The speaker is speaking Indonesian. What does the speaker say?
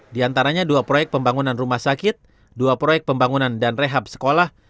di antaranya dua proyek pembangunan rumah sakit dua proyek pembangunan dan rehab sekolah